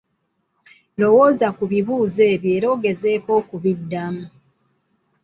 Lowooza ku bibuuzo ebyo era ogezeeko okubiddamu.